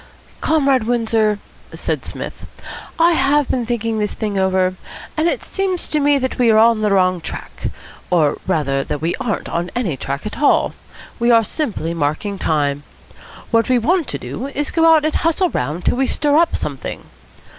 "Comrade Windsor," said Psmith. "I have been thinking this thing over, and it seems to me that we are on the wrong track, or rather we aren't on any track at all; we are simply marking time. What we want to do is to go out and hustle round till we stir up something.